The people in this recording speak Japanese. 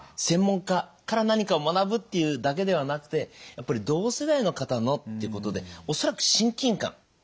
専門家から何かを学ぶっていうだけではなくてやっぱり同世代の方のってことで恐らく親近感。